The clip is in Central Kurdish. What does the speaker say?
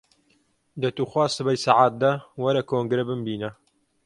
دە توخوا سبەی سەعات دە، وەرە کۆنگرە بمبینە!